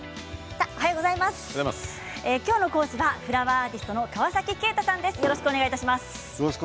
今日の講師はフラワーアーティストの川崎景太さんです。